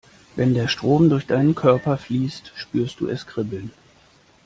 Wenn der Strom durch deinen Körper fließt, spürst du es kribbeln.